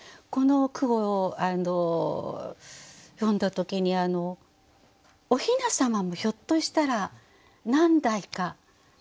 この句を読んだ時におひなさまもひょっとしたら何代か。